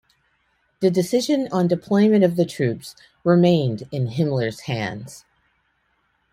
The decision on deployment of the troops remained in Himmler's hands.